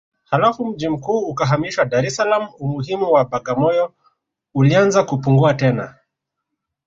Halafu mji mkuu ukahamishwa Dar es Salaam Umuhimu wa Bagamoyo ulianza kupungua tena